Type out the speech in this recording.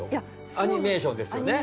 アニメーションですよね？